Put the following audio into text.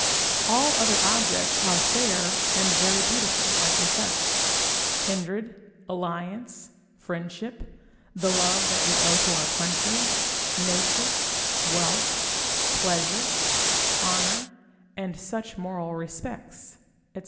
All other objects are fair, and very beautiful, I confess; kindred, alliance, friendship, the love that we owe to our country, nature, wealth, pleasure, honour, and such moral respects, &c.